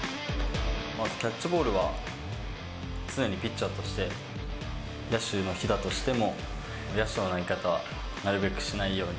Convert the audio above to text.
まずキャッチボールは、常にピッチャーとして、野手の日だとしても、野手の投げ方はなるべくしないように。